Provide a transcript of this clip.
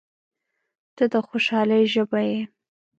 • ته د خوشحالۍ ژبه یې.